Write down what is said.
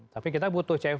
tapi kita butuh cv